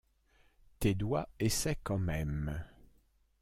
Tes doigts essaient quand même.